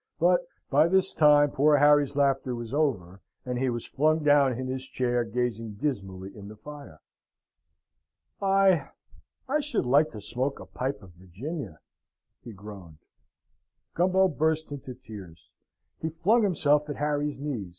But by this time poor Harry's laughter was over, and he was flung down in his chair gazing dismally in the fire. "I I should like to smoke a pipe of Virginia" he groaned. Gumbo burst into tears: he flung himself at Harry's knees.